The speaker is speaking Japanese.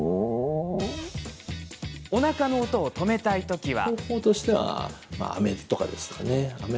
おなかの音を止めたい時は。